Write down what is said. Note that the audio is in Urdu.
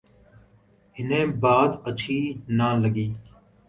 انہیں بات اچھی نہ لگی۔